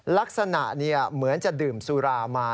ลักษณะเหมือนจะดื่มสุรามา